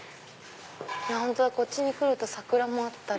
本当だこっちに来ると桜もあったり。